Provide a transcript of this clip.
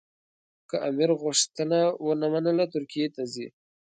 که امیر غوښتنه ونه منله ترکیې ته ځي.